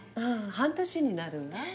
半年になるわ。